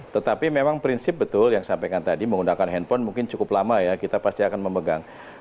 tetapi memang prinsip betul yang sampaikan tadi menggunakan handphone mungkin cukup lama ya kita pasti akan memegang